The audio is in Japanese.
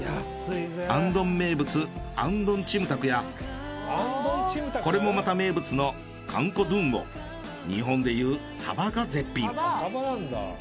アンドン名物アンドンチムタクやこれもまた名物のカンコドゥンオ日本でいうさばが絶品。